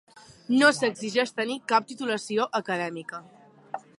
No s'exigeix tenir cap titulació acadèmica.